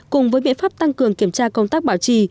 cùng với biện pháp tăng cường kiểm tra công tác bảo trì